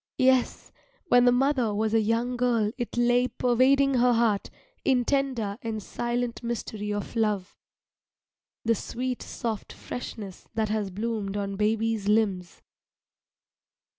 Yes, when the mother was a young girl it lay pervading her heart in tender and silent mystery of love the sweet, soft freshness that has bloomed on baby's limbs.